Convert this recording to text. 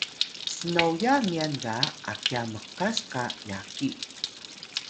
snoya myan ga akya mqas qa yaki